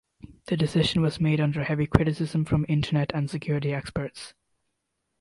The decision was made under heavy criticism from Internet and security experts.